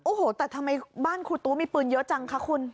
โอ้โหแต่ทำไมบ้านครูตู้มีปืนเยอะจังคะคุณ